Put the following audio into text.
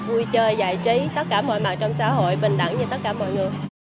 vui chơi giải trí tất cả mọi mặt trong xã hội bình đẳng như tất cả mọi người